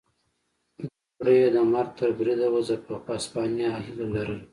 نوموړی یې د مرګ تر بریده وځپه خو هسپانیا هیله لرله.